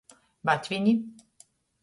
Batvini.